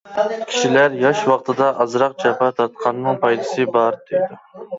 كىشىلەر ياش ۋاقتىدا ئازراق جاپا تارتقاننىڭ پايدىسى بار، دەيدۇ.